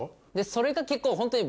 それが結構ホントに。